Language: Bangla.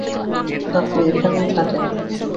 আপনি এখানেই থাকেন।